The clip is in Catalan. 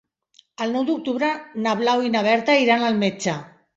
El nou d'octubre na Blau i na Berta iran al metge.